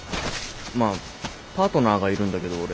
まあパートナーがいるんだけど俺。